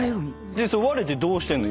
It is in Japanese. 割れてどうしてんの？